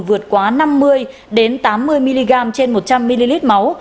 vượt quá năm mươi tám mươi mg trên một trăm linh ml máu